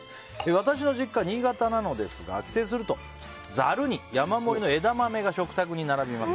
私の実家は新潟なのですが帰省するとざるに山盛りの枝豆が食卓に並びます。